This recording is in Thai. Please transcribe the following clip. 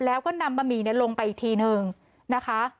แล้วก็นำบะหมี่ลงไปอีกทีนึงนะคะ